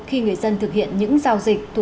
khi người dân thực hiện những giao dịch